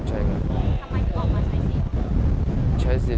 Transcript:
ทำไมถึงออกมาใช้สิทธิ์